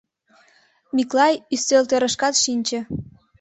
Миклай ӱстелтӧрышкат шинче.